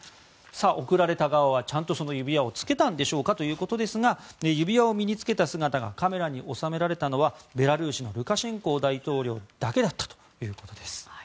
贈られた側はちゃんとその指輪を着けたんでしょうかということですが指輪を身に着けた姿がカメラに収められたのはベラルーシのルカシェンコ大統領だけだったということです。